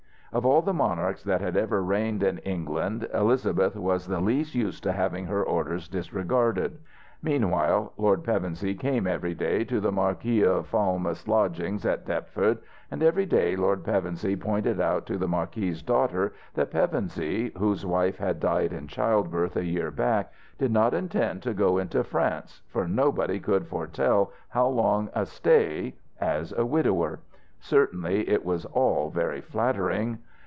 Of all the monarchs that had ever reigned in England, Elizabeth was the least used to having her orders disregarded. Meanwhile Lord Pevensey came every day to the Marquis of Falmouth's lodgings at Deptford; and every day Lord Pevensey pointed out to the marquis's daughter that Pevensey, whose wife had died in childbirth a year back, did not intend to go into France, for nobody could foretell how long a stay, as a widower. Certainly it was all very flattering